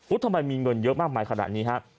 อุ๊ยทำไมมีเงินเยอะมากมายขนาดนี้ครับ